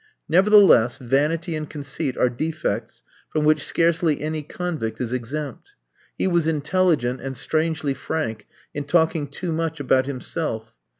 Nevertheless, vanity and conceit are defects from which scarcely any convict is exempt. He was intelligent and strangely frank in talking too much about himself.